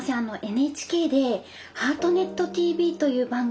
ＮＨＫで「ハートネットＴＶ」という番組を。